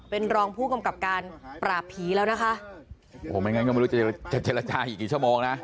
เป็นรองผู้กำกับการปราบผีแล้วนะคะโอ้โหไม่งั้นก็ไม่รู้จะจะเจรจาอีกกี่ชั่วโมงนะ